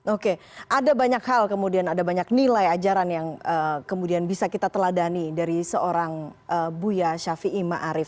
oke ada banyak hal kemudian ada banyak nilai ajaran yang kemudian bisa kita teladani dari seorang buia syafi'i ma'arif